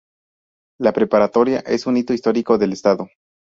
La preparatoria es un hito histórico del estado.